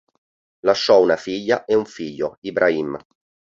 Lasciò una figlia e un figlio, Ibrahim.